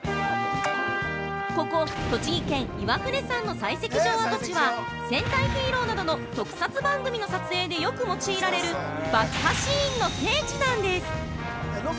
ここ、栃木県・岩船山の採石場跡地は戦隊ヒーローなどの特撮番組の撮影でよく用いられる爆破シーンの聖地なんです！